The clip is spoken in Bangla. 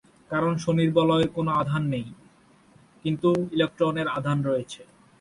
কারণ, শনির বলয়ের কোন আধান নেই, কিন্তু ইলেকট্রনের আধান রয়েছে।